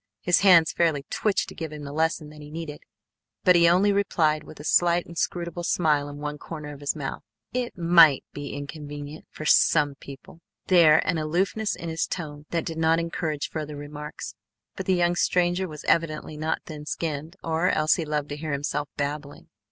His hands fairly twitched to give him the lesson that he needed, but he only replied with a slight inscrutable smile in one corner of his mouth: "It might be inconvenient for some people." There an aloofness in his tone that did not encourage further remarks, but the young stranger was evidently not thin skinned, or else he loved to hear himself babbling.